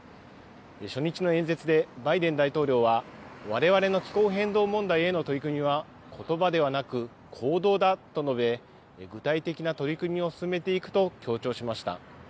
初日の演説でバイデン大統領は、われわれの気候変動問題への取り組みは、ことばではなく行動だと述べ、具体的な取り組みを進めていくと強調しました。